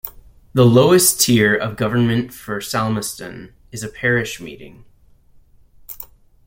The lowest tier of government for Selmeston is a Parish meeting.